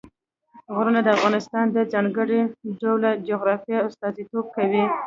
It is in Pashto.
غرونه د افغانستان د ځانګړي ډول جغرافیه استازیتوب کوي.